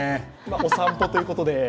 お散歩ということで。